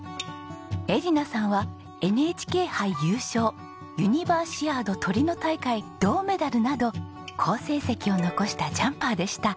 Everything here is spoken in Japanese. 恵梨奈さんはＮＨＫ杯優勝ユニバーシアードトリノ大会銅メダルなど好成績を残したジャンパーでした。